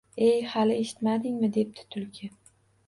— Ey, hali eshitmadingmi? — debdi Tulki